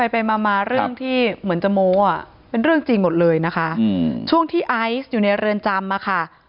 ไปมามาเรื่องที่เหมือนจะโม้อ่ะเป็นเรื่องจริงหมดเลยนะคะช่วงที่ไอซ์อยู่ในเรือนจำอ่ะค่ะ